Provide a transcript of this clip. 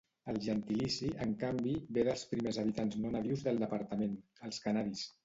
El gentilici, en canvi, ve dels primers habitants no nadius del departament, els canaris.